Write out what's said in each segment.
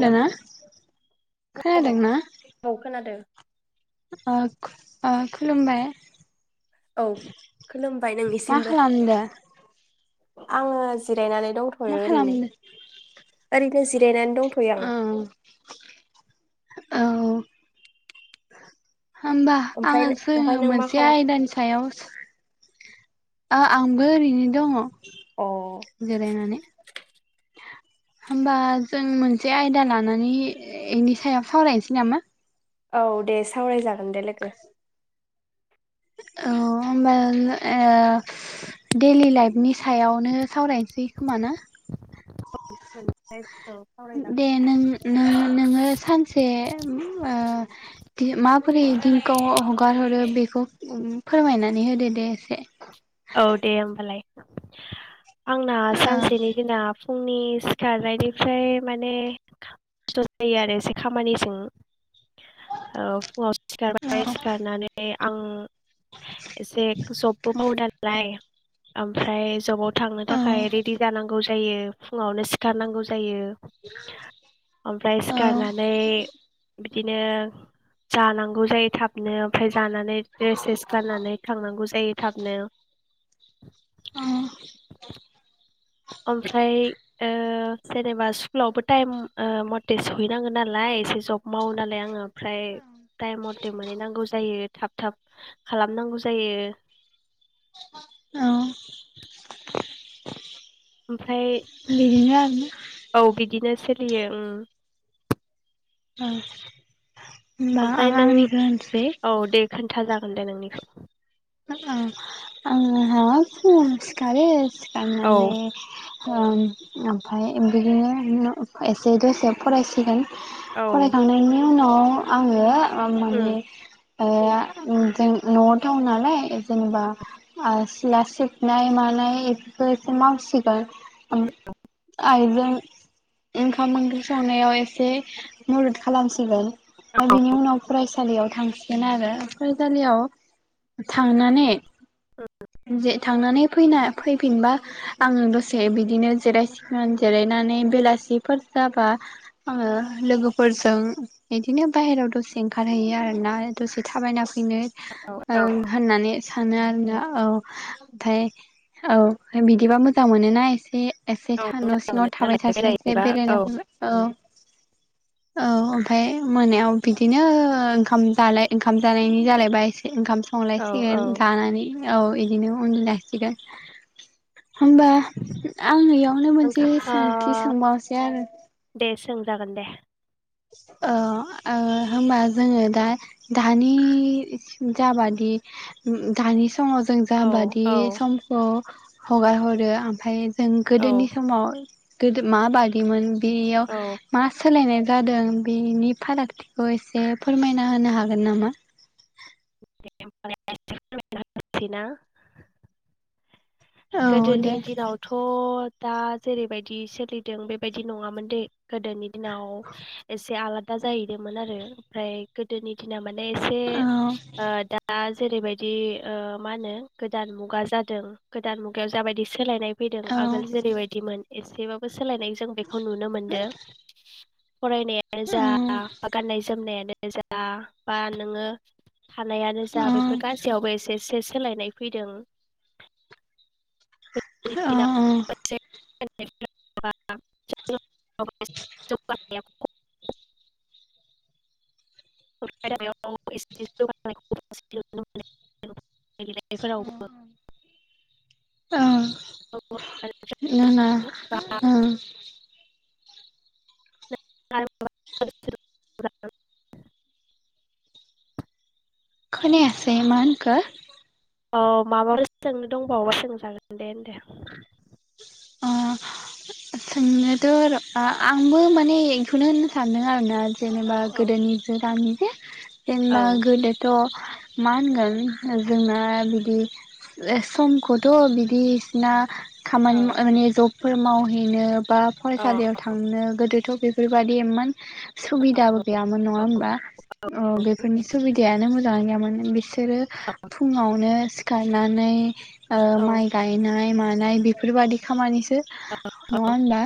Hello नोङो खोनादों खोनादोंना? औ खोनादों आ आ खुलुमबाय औ खुलुमबाय मा नोंनिसिमबो। खालामदो आङो जि रायनानै दंथयो मा ओरैनो खालामदो ओरैनो। दो जिरायनान। औ औ। [inaudible] होमबा ओमफ्राय आङो जोङो ओमफ्राय नों मा मोनसे खालाम आयदानि सायाव साव आ आंबो ओरैनो दङ। अ जिरायनानै। होमबा जों मोनसे आयदा लानानै इनि सायाव सावरायनोसै नामा। औ दे सावरायजाग। गोन दे लोगो। औ होमबा आ देलि लाइफनि सायावनो सावरायनोसै खोमा ना। औ [unintelligible] दे नों नों नोङो सानसे ओम आ माबोरै दिनखौ हगार हरो बेखौ ओम फोरमायनानै होदो दे एसे। औ दे होमबालाय आंना सानसेनि दिना फुंनि सिखारनायनिफ्राय माने बेस्थ जायो आरो एसे खामानिजों औ फुङाव सिखारबाय सिखारनानै आङो एसे जबबो मावदान लाय ओमफ्राय जबाव थांनो औ थाखाय रेदि जानांगौ जायो फुङावनो सिखारनांगौ जायो। ओमफ्राय औ सिखारनानै बिदिनो जानांगौ जायो थाब थाबनो ओमफ्राय जानानै द्रेसेस गाननानै थांनांगौ जायो थाबनो। अ ओमफ्राय ओ जेनेबा स्कुलावबो टाइम ओ मथे सहैनाङो नालाय एसे जब मावो नालाय आङो ओमफ्राय टाइम मथे मोनहैनांगौ जायो। थाब थाब खालामनांगौ जायो। औ ओमफ्राय बिदिनो आरो औ बिदिनो सोलियो उम, ओं होनबा ओमफ्राय आं नों आंनिखो होनसै औ दे खोन्था जागोन दे नोंनिखौ। मोजां आंहा फुङावनो सिखारो औ सिखारनानै ओम ओमफ्राय बिदिनो एसे दसे फरायसिगोन। औ फरायखांनायनि उनाव आङो ओ उम माने ओ ओम जों न'आ टाउन नाव लाय जेनेबा आ सिला सिबनाय मानाय बेफोरखौ एसे मावसिगोन ओम आइजों ओंखाम ओंख्रि संनायाव एसे मदद खालामसिगोन। औ बिनि उनाव फरायसालियाव थांसिगोन आरो फरायसालियाव थांनानै जे थांनानै फैना फैफिनबा आङो दसे बिदिनो जिरायसिगोन जिरायनानै बेलासिफोर जाबा आङो लोगोफोरजों बिदिनो बाहेरायाव दसे ओंखारहैयो आरोना दसे थाबायना बिदिनो औ ओं होननानै सानो आरोना औ ओमफाय औ फाय बिदिबा मोजां मोनोना एसे, एसे औ था न' मोजां सिङाव मोनो थाबाय नालाय थास्लायस्लाय बेरायहैबा औ बेरायनो फैबा औ औ ओमफाय मोनायाव बिदिनो ओंखाम जालाय ओंखाम जानायनि जालायबाय एसे ओंखाम औ संलायसिगोन औ दानानै औ इदिनो उन्दु लासिगोन होमबा आं खौनो मोनसे आंखा ओ सोंथि सोंबावसै आरो जागोन दे। ओ ओ होमबा जोङो दा दानि जाबादि उम दानि समाव जों औ जाबादि औ समखौ हगार हरो ओमफाय जों गोदोनि समाव गोदो मा बादिमोन? बियाव औ मा सो सोलायनाय जादों बेनि फारागथिखौ एसे फोरमायना होनो हागोन नामा? [unintelligible] ना। औ गोदोनि दे दिनावथ दा जेरैबायदि सोलिदों बेबायदि नङामोन दे गोदोनि दिनाव एसे आला दा जाहैदोंमोन आरो ओमफ्राय गोदोनि दिना मा ने एसे औ ओ दा जेरैबायदि ओ मा होनो गोदान मुगा जादों दान मुगायाव जाबायदि सोलायनाय फैदों औ आगोल जेरैबायदिमोन एसेबाबो सोलायनाय जों बेखौ नुनो मोनदों। फरायनायानो औ जा बा गाननाय जोमनायानो नों जा बा नोङो थानायानो औ जा बेफोर गासैयावबो एसे एसे एसे सोलायनाय फैदों। औ [unintelligible] [unintelligible] [unintelligible] [unintelligible] गेलेनायफोरावबो ओ। नोङा औ। [unintelligible] खोनायासै मा होनखो औ माबाफोर सोंनो दंबावोबा सोंजागोन दे होनदो। अ सोंनोथ र आंबो माने इखौनो होननो सानदों आरोना। औ जेनेबा औ गोदोनि जों गामि [unintelligible] औ जेनबा गोदोथ मा होनगोन जोंना बिदि समखौथ बिदिसिना औ खामानि माने जब फोर मावहैनो बा औ फरायसालियाव थांनो गोदोथ बेफोरबायदिमोन सुबिदाबो गैयामोन नङा होमबा ओ बेफोरनि सुबिदायानो मोजाङै गैयामोन बिस सोरो फुङावनो सि खारनानै ओ माइ औ गायनाय मा नाय बि फोरबायदि खामानिस यो नङा होमबा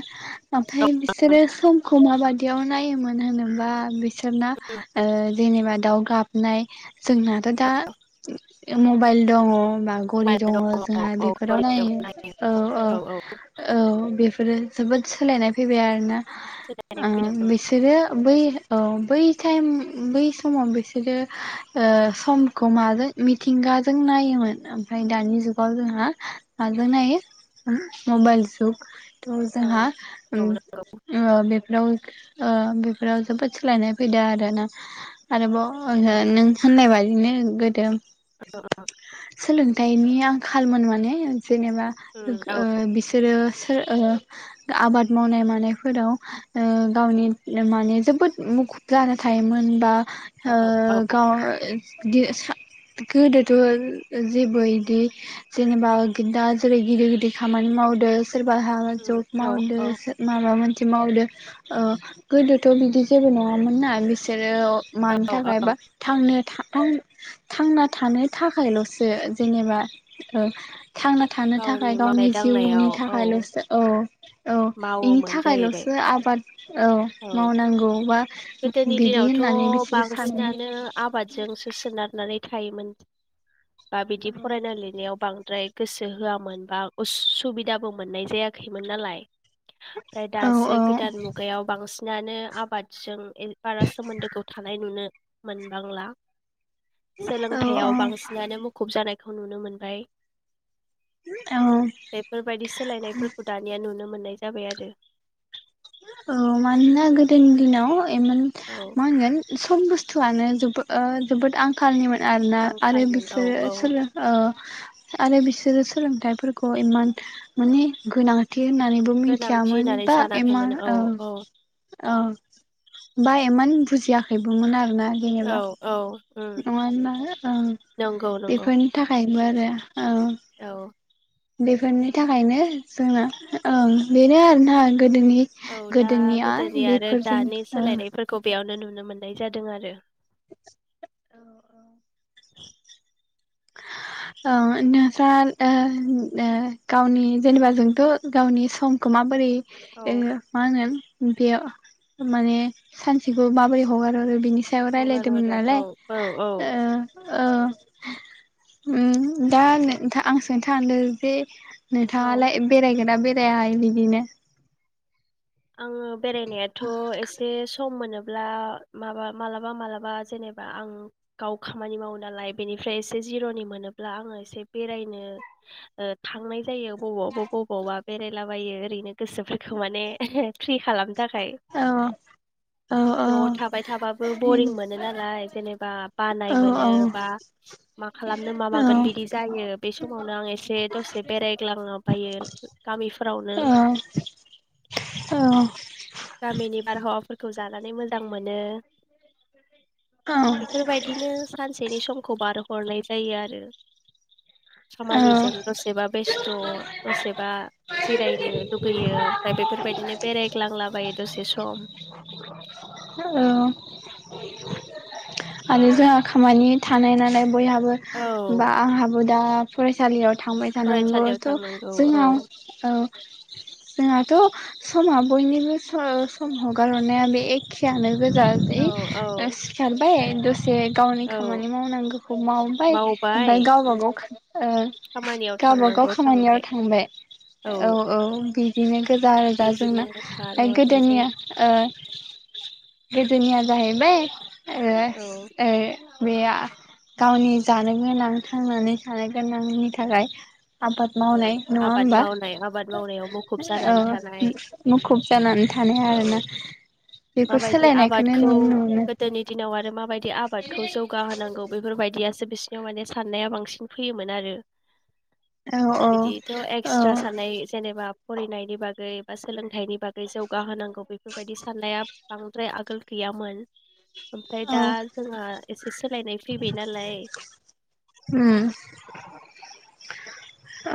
ओमफ्राय बिसोरो समखौ माबायदियाव नायोमोन होनोबा बि सोरना ओ जेनेबा दाउ गाबनाय जोंनाथ दा मबाइल दङ बा घरि दङ जोंहा औ बेफोराव नायो। औ औ औ बेफोरो जोबोद सोलायनाय फैबाय आरोना सोलायनाय ओ फैदों बिसोरो बै ओ बै टाइम बै समाव बिसोरो ओ समखौ माजों मिथिंगाजों नायोमोन ओमफ्राय दानि जुगाव जोंहा माजों नायो [unintelligible] मबाइल जुग थ औ जोंहा औ ओम नंगौ ओ बेफोराव बेफोराव जोबोद सोलायनाय फैदों आरो ना आरोबाव औ औ नों होननाय बायदिनो गोदो औ सोलोंथाइनि आं खालमोन माने जेनेबा बिसोरो आबाद मावनाय मानायफोराव ओ गावनि लोंनानै जोबोद मुखुब जाना थायोमोन बा आ गाव [unintelligible] बिदि सा गोदोथ जेबो इदि जेनेबा दा जेरै गिदिर दि खामानि मावदोंस सोरबा हा जब औ मावदो सो माबा मोन थि मावदो ओ गोदोथ बिदि जेबो नङामोन ना बिसोर [unintelligible] मानि औ थाखायबा थांनो था आं थांना थानो थाखायलसो जेनेबा ओ थांना थानो थाख [unintelligible] गावनि मावनाय जिउनि दांनायाव औ थाखायलसो औ [unintelligible] औ बेनि मावोमोन जाहैबाय थाखायलसो आबाद औ मावनांगौ बा गोदोनि बिदि दिनावथ होननानै बिसोरो सानोमोन बांसिनानो आबादजोंसो सोनारनानै थायोमोन। बा बिदि फरायना लिरनायाव बां द्राय गोसो होआमोन बा उसुबिदाबो मोननाय जायाखैमोन नालाय। ओमफ्राय औ दासो गोदान मुगायाव बांसि नानो आबाद जों ए बारा सोमोन्दोखौ थानाय नुनो मोनबांला। औ सोलोंथायाव औ बांसिनानो मुखुब जानाय खौ नुनो मोनबाय। औ बेफोरबायदि सोलायनायफोरखौ दानिया नुनोम मोनाय जाबाय आरो औ मानोना गोदोनि दिनाव ए मोन औ मा होनगोन? खम बुस्थुआनो जोबो ओ जोबोद आंखालनिमोन। आरोना आरो आंखालमोन औ बिसोरो औ सोलों औ आरो बिसोरो सोलोंथाइफोरखौ इमान माने गोनांथि थि होननानैबो गोनांथि मिथियामोन होननानै बा मा सानाखैमोन औ औ बायोमोन। नों बुजियाखैबोमोन आरो ना। औ औ उम नङा होनबा ओं नंगौ नंगौ बेफोरनि थाखाय [unintelligible] आरो औ बेफोरनि थाखायनो जोंना ओं बेनो आरोना। गोदोनि औ दा गोदोनिया गोदोनि आरो बेफोरजों दानि ओ सोलायनायफोरखौ बेयावनो नुनो मोननाय जादों आरो। [inaudible] ओ नोंस्रा ओ ओ गावनि जेनेबा जोंथ गावनि समखौ माबोरै औ ओ मा होनगोन बेयाव माने सानसेखौ माबोरै हगार हरो बेनि सायाव हगार रायलायदोंमोन हरो नालाय औ औ ओ ओ ओम दा [unintelligible] जे औ नोंथाङालाय बेरायगोना बेरा जाया हाय बिदिनो आङो बेरायनायाथ एसे सम मोनो ब्ला मा माबा मालाबा मालाबा जेनेबा आं गाव खामानि मावो नालाय बेनिफ्राय एसे जिरनि मोनोब्ला आङो एसे बेरायनो ओ थांनाय जायो। बबावबा बबावबा बेराय लाबायो ओरैनो गोसोफोरखौ माने [unintelligible] फ्रि खालाम थाखाय औ औ औ नआव थाबाय थाबाबो बरिं मोनो नालाय जेनेबा बानाय औ मोनो बा मा खालामनो मा मागोन बिदि जायो। बे समावनो आं एसे दसे बेरायग्लांलाबायो गामिफोरावनो। औ गामिनि बारहावाफोरखौ जानानै मोजां मोनो। बेफोरबायदिनो सानसेनि समखौ बार हरनाय जायो आरो। औ खामानिजों दसेबा बेस्थ दसेबा जिरायनो लुगैयो ओमफ्राय बेफोरबायदिनो बेरायग्लांला [inaudible] आरो जोंहा खामानि थानाय नालाय बयहाब बो औ बा आंहाबो दा फरायसालियाव थांबाय थानांगौ फरायसालियाव थ थांनांगौ औ जोंहा औ। जोंहाथ समा बयनिबो स-सम हगार हरनाया बे एखेयानो गोजा औ जै ओ औ सिखारबाय। जे गावनि औ खामानि मावनांगौखौ मावबाय मावबाय ओमफ्राय उम, गावबागाव ओ खामानियाव गावबागाव थांनांगौ खामानियाव थांबाय। औ औ बिदिनो गोजा आरोदा जोंना बिदिनो ओमफ्राय बारहरनाय जायो गोदोनिया ओ गोदोनिया जाहैबाय। ए औ ए बे आ गावनि जानो गोनां थांनानै थानो गोनांनि थाखाय आबाद औ मावनाय नङा आबाद होमबा मावनाय आबाद मावनायाव मुखुब ओ जानानै थानाय मुखुब जानानै थानाय आरोना औ बेफोर माबायदि सोलायनायखौनो आबादखौ नुनो मोनो गोदोनि दिनाव आरो माबायदि आबादखौ जौगाहोनांगौ बेफोरबायदि यासो बिसिोरनिाव माने साननाया बांसिन फैयोमोन आरो औ औ बिदिथ औ एक्सट्रा सानाय जेनेबा फरायनायनि बागै बा सोलोंथाइनि बागै जौगाहोनां गौ बेफोरबायदि साननाया बांद्राय आगोल गैयामोन। ओमफ्राय औ दा जोंहा एसे सोलायनाय फैबाय नालाय उम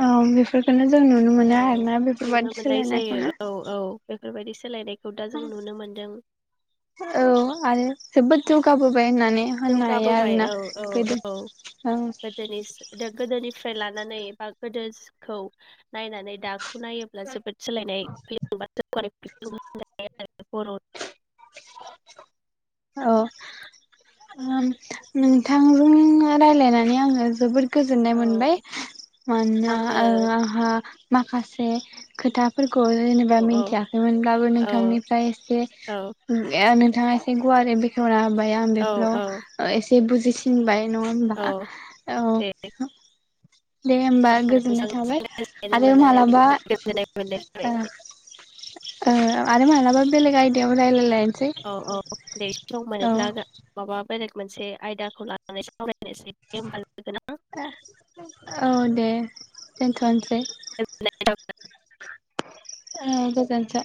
औ बेफोरखोनो जों नुनो औ मोनो आरो ना नुनो बेफोरबादि मोननाय जायो सोलायनायखौनो औ औ बेफोरबायदि सोलायनाय खौ दा जों नुनो मोनदों। जौगाबो बोबाय होननानै होननो हायो जौगाबोबाय आरोना औ औ गोदो औ ओं फ्राय लानानै बा गोदोखौ नायनानै दाखौ खौ नायोब्ला जोबोद सोलायनाय फैयो [unintelligible] [inaudible] बे बर' अ ओम नोंथांजों राय्लायनानै आङो जोबोद गोजोननाय मोनबाय मानोना आंबो ओ आंहा माखासे खोथाफोर खौ जेनेबा औ औ मिथियाखैमोनब्लाबो औ नोंथांनिफ्राय [inaudible] नोंथाङा एसे गुवारै बेखेवना होबाय बे आं औ बेफोराव औ ओ एसे से बुजिसिनबाय नङा औ होमबा औ दे दे होमबा आंबो गोजोननाय थाबाय नोंथांजों रायज्लायनो आरो मोननानै मालाबा गोजोननाय मोननाय ओ जाबाय ओ आरो मालाबा बेलेग आयदायाव रायलायलाय औ औ दे। दं मोनोब्ला जा माबा बेलेग मोनसे आयदाखौ लानानै सावरायनाय औ दे। दोनथसै। [inaudible] ओ गोजोनथों।